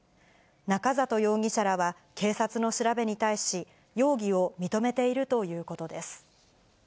中里容疑者らは警察の調べに対し、容疑を認めているということです。